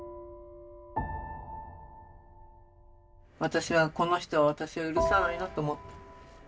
私はこの人は私を許さないなと思った。